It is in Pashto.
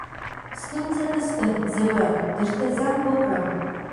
ستونزه نشته زه به درته زنګ وکړم